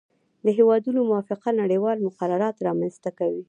د هیوادونو موافقه نړیوال مقررات رامنځته کوي